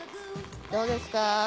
どうですか？